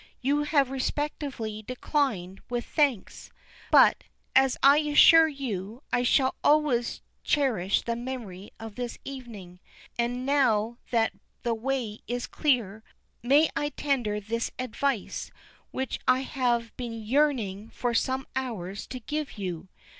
You are respectfully declined, with thanks, but, as I assured you, I shall always cherish the memory of this evening, and, now that the way is clear, may I tender this advice, which I have been yearning for some hours to give you.